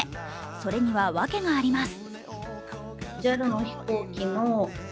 それにはわけがあります。